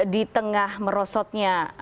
di tengah merosotnya